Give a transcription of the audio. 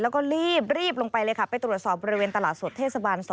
แล้วก็รีบลงไปเลยค่ะไปตรวจสอบบริเวณตลาดสดเทศบาล๒